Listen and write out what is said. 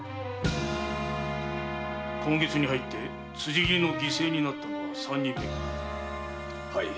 今月に入って辻斬りの犠牲になった者は三人目か。